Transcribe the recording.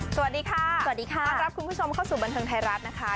สวัสดีค่ะสวัสดีค่ะต้อนรับคุณผู้ชมเข้าสู่บันเทิงไทยรัฐนะคะ